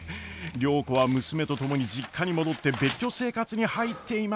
良子は娘と共に実家に戻って別居生活に入っていました。